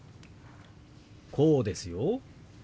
こうですよ。